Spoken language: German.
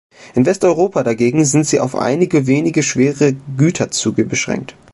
In Westeuropa dagegen sind sie auf einige wenige schwere Güterzüge beschränkt.